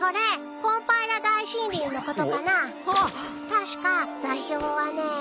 確か座標はね。